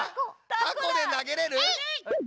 タコでなげれる⁉えい！